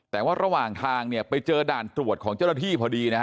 แต่ว่าระหว่างทางเนี่ยไปเจอด่านตรวจของเจ้าหน้าที่พอดีนะฮะ